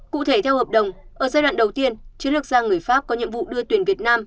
cụ thể theo hợp đồng ở giai đoạn đầu tiên chiến lược gia người pháp có nhiệm vụ đưa tuyển việt nam